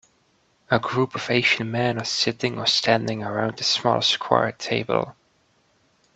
A group of Asian men are sitting or standing around a small square table.